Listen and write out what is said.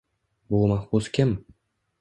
Bu mahbus kim?